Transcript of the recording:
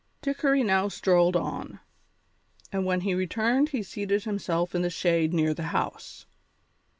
Dickory now strolled on, and when he returned he seated himself in the shade near the house.